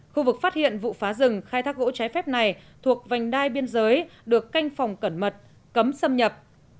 khu vực phát hiện vụ phá rừng khai thác gỗ trái phép này thuộc vành đai biên giới được canh phòng cẩn mật cấm xâm nhập